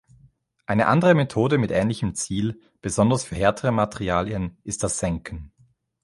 Eine andere Methode mit ähnlichem Ziel, besonders für härtere Materialien, ist das Senken.